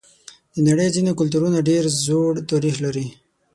د نړۍ ځینې کلتورونه ډېر زوړ تاریخ لري.